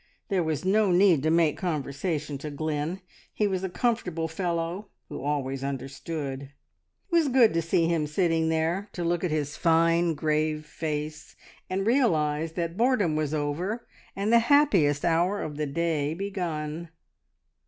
There was no need to make conversation to Glynn. He was a comfortable fellow who always understood. It was good to see him sitting there, to look at his fine, grave face, and realise that boredom was over, and the happiest hour of the day begun.